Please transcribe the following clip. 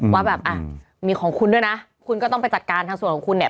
ว่าแบบอ่ะมีของคุณด้วยนะคุณก็ต้องไปจัดการทางส่วนของคุณเนี่ย